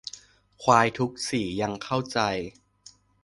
ควายทุกสียังเข้าใจ